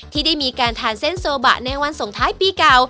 ที่ได้มีการทานเส้นโซบะในวันส่งท้ายปีเก่า